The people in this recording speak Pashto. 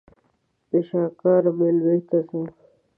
د شاکار مېلې ته ځم.